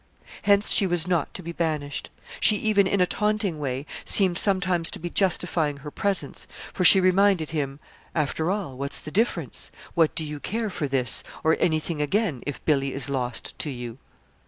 Hence she was not to be banished. She even, in a taunting way, seemed sometimes to be justifying her presence, for she reminded him: "After all, what's the difference? What do you care for this, or anything again if Billy is lost to you?"